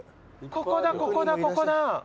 ここだここだここだ。